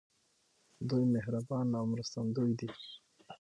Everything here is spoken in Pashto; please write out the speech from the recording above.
دوی مهربان او مرستندوی دي.